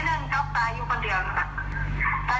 เราจึงเลยหยิบให้เขาว่า๗๒๖